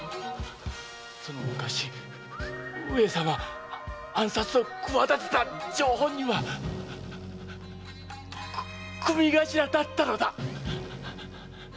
その昔上様暗殺を企てた張本人は組頭だったのだ！